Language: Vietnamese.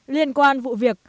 liên quan vụ việc